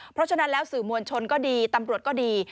เพราะฉะนั้นแล้วสื่อมวลชนก็ดีตำรวจก็ดี